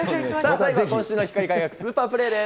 最後は今週の光輝くスーパープレーです。